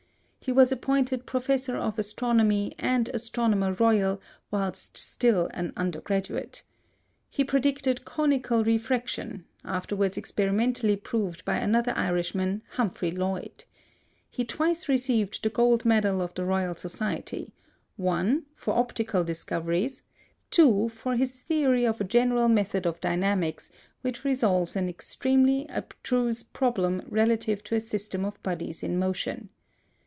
He was appointed Professor of Astronomy and Astronomer Royal whilst still an undergraduate. He predicted "conical refraction," afterwards experimentally proved by another Irishman, Humphrey Lloyd. He twice received the Gold Medal of the Royal Society: (i) for optical discoveries; (ii) for his theory of a general method of dynamics, which resolves an extremely, abstruse problem relative to a system of bodies in motion.